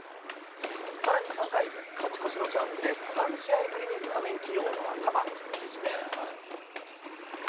さらに３回、勝ち越しのチャンスで３試合ぶりにスタメン起用の淺間。